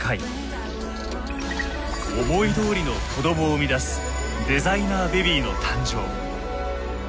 思いどおりの子供を生み出すデザイナーベビーの誕生。